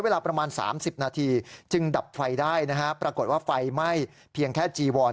น่าประมาณ๓๐นาทีจึงดับไฟได้ปรากฏว่าไฟม่ายเพียงแค่จีวอน